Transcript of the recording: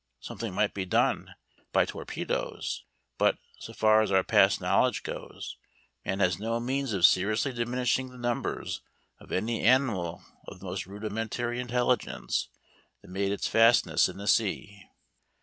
Something might be done by torpedoes; but, so far as our past knowledge goes, man has no means of seriously diminishing the numbers of any animal of the most rudimentary intelligence that made its fastness in the sea.